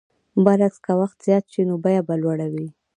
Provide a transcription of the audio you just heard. برعکس که وخت زیات شي نو بیه به لوړه وي.